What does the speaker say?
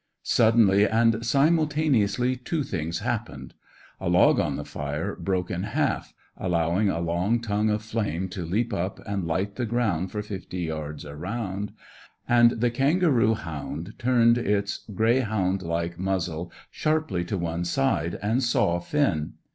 Suddenly and simultaneously two things happened. A log on the fire broke in half, allowing a long tongue of flame to leap up and light the ground for fifty yards around, and the kangaroo hound turned its greyhound like muzzle sharply to one side and saw Finn.